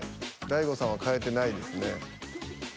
大悟さんは変えてないですね。